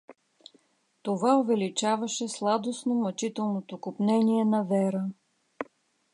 Това увеличаваше сладостно-мъчителното копнение на Вера.